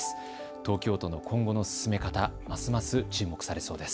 東京都の今後の進め方、ますます注目されそうです。